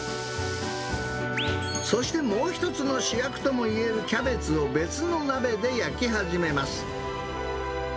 そしてもう一つの主役ともいえるキャベツを別の鍋で焼き始めます。